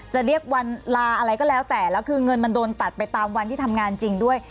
จะเรียกวันลาอะไรก็แล้วแต่แล้วคือเงินมันโดนตัดไปตามวันที่ทำงานจริงด้วย